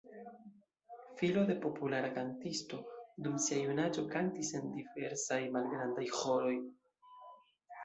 Filo de populara kantisto, dum sia junaĝo kantis en diversaj malgrandaj ĥoroj.